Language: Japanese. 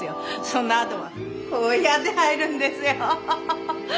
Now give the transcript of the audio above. そのあとはこうやって入るんですよ。